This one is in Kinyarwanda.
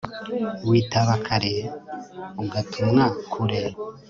witaba kare ugatumwa kure